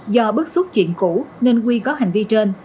do bước xuất chuyện cũ nên we có hành vi trên